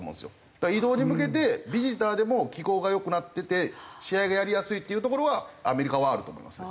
だから移動に向けてビジターでも気候が良くなってて試合がやりやすいっていうところはアメリカはあると思いますね。